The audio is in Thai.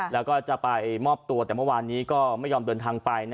แล้วก็จะไปมอบตัวแต่เมื่อวานนี้ก็ไม่ยอมเดินทางไป